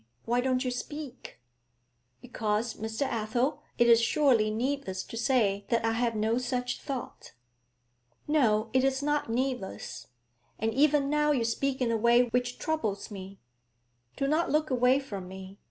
Why don't you speak?' 'Because, Mr. Athel, it is surely needless to say that I have no such thought.' 'No, it is not needless; and even now you speak in a way which troubles me. Do not look away from me.